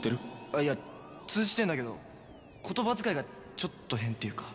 あいや通じてんだけど言葉遣いがちょっと変っていうか。